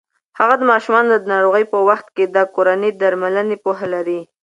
هغه د ماشومانو د ناروغۍ په وخت کې د کورني درملنې پوهه لري.